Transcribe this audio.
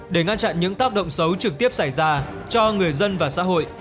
để ngăn chặn những tác động xấu trực tiếp xảy ra cho người dân và xã hội